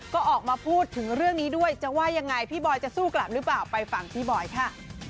ก็ออกมาพูดถึงเรื่องนี้ด้วยจะว่ายังไงพี่บอยจะสู้กลับหรือเปล่าไปฟังพี่บอยค่ะ